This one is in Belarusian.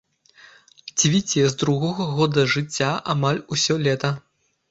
Цвіце з другога года жыцця амаль усё лета.